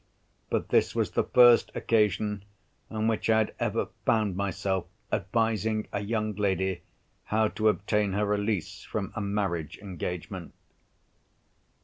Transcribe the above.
But this was the first occasion on which I had ever found myself advising a young lady how to obtain her release from a marriage engagement.